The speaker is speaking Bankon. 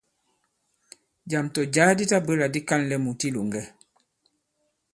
Jàm tɔ̀ jǎ di tabwě là di ka᷇nlɛ mùt i ilòŋgɛ.